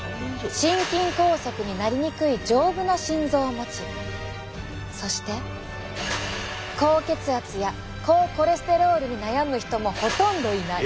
心筋梗塞になりにくい丈夫な心臓を持ちそして高血圧や高コレステロールに悩む人もほとんどいない。